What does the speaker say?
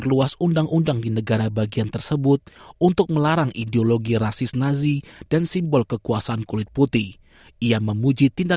jadi orang orang ini serta pemimpin mereka yang memiliki ideologi yang berdementia